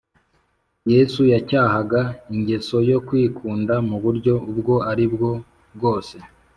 Yesu yacyahaga ingeso yo kwikunda mu buryo ubwo aribwo bwose